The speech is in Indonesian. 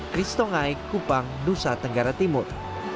kristongai kupang nusa tenggara timur